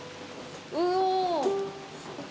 うお。